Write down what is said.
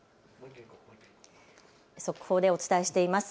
速報でお伝えしています。